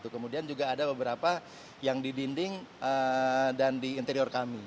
kemudian juga ada beberapa yang di dinding dan di interior kami